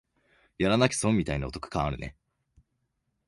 やらなきゃ損みたいなお得感あるね